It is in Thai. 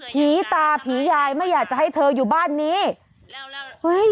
ผีตาผียายไม่อยากจะให้เธออยู่บ้านนี้เฮ้ย